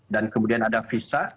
dan kemudian ada visa